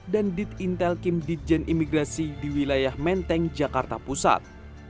dan ditintel kim ditjen imigrasi di wilayah menteng jakarta pusat